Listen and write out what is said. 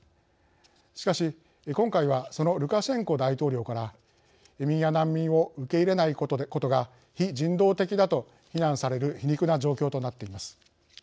しかし今回はそのルカシェンコ大統領から移民や難民を受け入れないことが非人道的だと非難される皮肉な状況となっています。